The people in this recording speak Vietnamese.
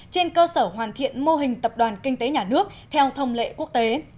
trên cơ sở hoàn thiện mô hình tập đoàn kinh tế nhà nước theo thông lệ quốc tế